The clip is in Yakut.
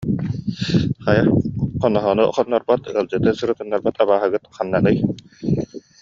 Хайа, хоноһону хоннорбот, ыалдьыты сырытыннарбат абааһыгыт ханнаный